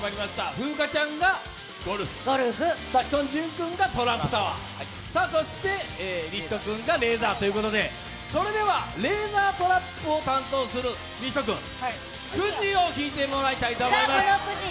風花ちゃんがゴルフ志尊淳君がトランプタワー、そして李光人君がレーザーということで、レーザートラップを担当する李光人君、くじを引いてもらいたいと思います。